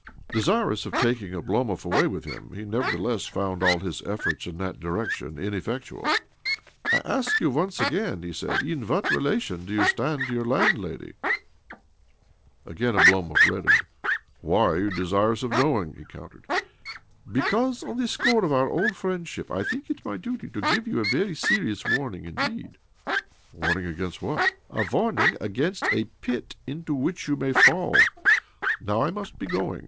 Desirous of taking Oblomov away with OBLOMOV 247 him, he nevertheless found all his efforts in that direction ineffectual. " I ask you once again," he said. " In what relation do you stand to your land lady?" Again Oblomov reddened. " Why are you desirous of knowing? " he countered. " Because, on the score of our old friend ship, I think it my duty to give you a very serious warning indeed." " A warning against what ?"" A warning against a pit into which you may fall. Now I must be going.